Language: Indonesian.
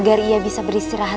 jangan cebaskan aku